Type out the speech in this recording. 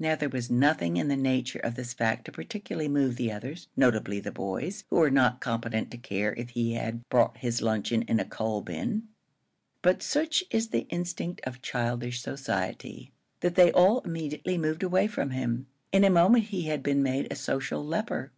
Now there was nothing in the nature of this fact to particularly move the others notably the boys, who were not competent to care if he had brought his luncheon in a coal bin; but such is the instinct of childish society that they all immediately moved away from him. In a moment he had been made a social leper.